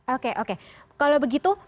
oke oke kalau begitu